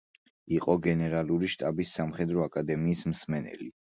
იყო გენერალური შტაბის სამხედრო აკადემიის მსმენელი.